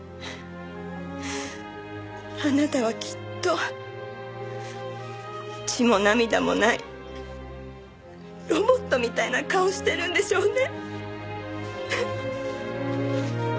あなたはきっと血も涙もないロボットみたいな顔してるんでしょうね。